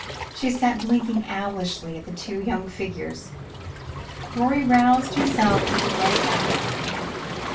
She sat blinking owlishly at the two young figures. Rorie roused himself with a great effort.